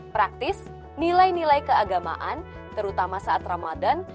praktis nilai nilai keagamaan terutama saat ramadan